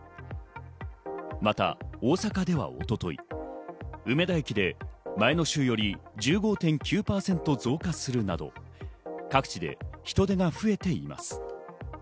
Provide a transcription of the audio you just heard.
また大阪では一昨日、梅田駅で前の週より１５．９％増加するなど各地で人出が増えています。